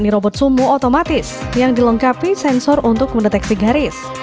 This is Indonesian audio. robot sumu otomatis yang dilengkapi sensor untuk mendeteksi garis